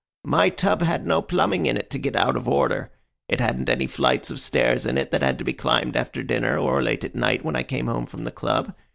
My tub had no plumbing in it to get out of order. It hadn't any flights of stairs in it that had to be climbed after dinner, or late at night when I came home from the club.